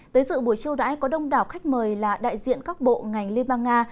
tới dự buổi chiêu đãi có đông đảo khách mời là đại diện các bộ ngành liên bang nga